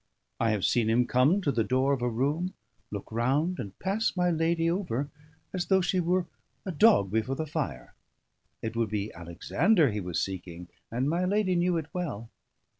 I have seen him come to the door of a room, look round, and pass my lady over as though she were a dog before the fire. It would be Alexander he was seeking, and my lady knew it well.